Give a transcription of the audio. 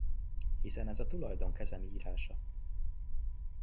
Hiszen ez a tulajdon kezem írása!